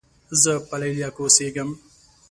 زۀ په لیلیه کې اوسېږم.